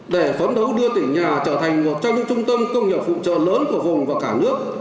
để phấn đấu đưa tỉnh nhà trở thành một trong những trung tâm công nghiệp phụ trợ lớn của vùng và cả nước